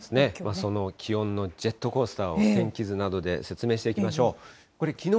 その気温のジェットコースターを、天気図などで説明していきましょう。